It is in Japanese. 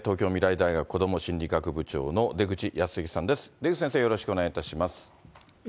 出口先生、よろしくお願いいたします。